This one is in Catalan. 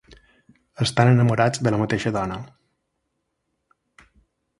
Estan enamorats de la mateixa dona.